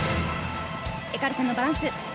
エカルテのバランス。